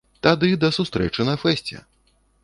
Тады да сустрэчы на фэсце!